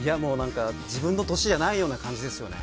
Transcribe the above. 自分の年じゃないような感じですよね。